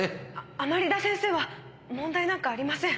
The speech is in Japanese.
甘利田先生は問題なんかありません。